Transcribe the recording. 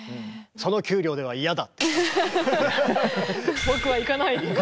「その給料では嫌だ」。